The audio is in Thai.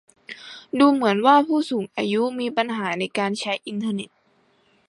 ดูเหมือนว่าผู้สูงอายุมีปัญหาในการใช้อินเทอร์เน็ต